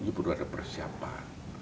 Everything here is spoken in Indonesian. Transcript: ini perlu ada persiapan